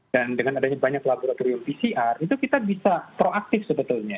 dan dengan adanya banyak laboratorium pcr itu kita bisa proaktif sebetulnya